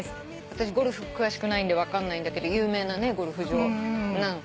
私ゴルフ詳しくないんで分かんないんだけど有名なゴルフ場。